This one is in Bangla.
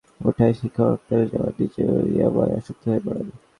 এলাকায় ইয়াবা সহজলভ্য হয়ে ওঠায় শিক্ষক আকতারুজ্জামান নিজেও ইয়াবায় আসক্ত হয়ে পড়েন।